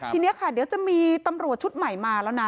ทีนี้เดี๋ยวจะมีตำรวจชุดใหม่มา